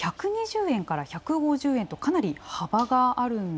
１２０円から１５０円とかなり幅があるんですよね。